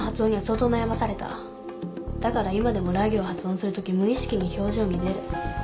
だから今でもラ行発音するとき無意識に表情に出る。